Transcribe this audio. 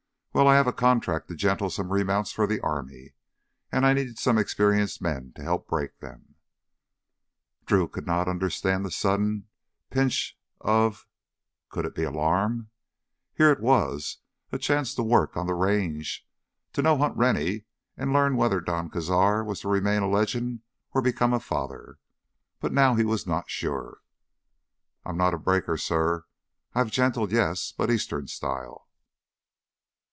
Well, I have a contract to gentle some remounts for the army, and I need some experienced men to help break them—" Drew could not understand the sudden pinch of—could it be alarm? Here it was: a chance to work on the Range, to know Hunt Rennie, and learn whether Don Cazar was to remain a legend or become a father. But now he was not sure. "I'm no breaker, suh. I've gentled, yes—but eastern style."